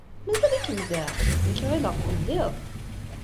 Mazal-ikem da? Nekk ɣileɣ teddiḍ.